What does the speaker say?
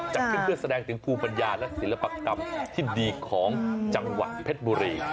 จัดขึ้นเพื่อแสดงถึงภูมิปัญญาและศิลปกรรมที่ดีของจังหวัดเพชรบุรี